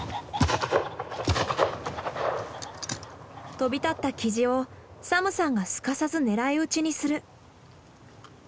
飛び立ったキジをサムさんがすかさず狙い撃ちにする。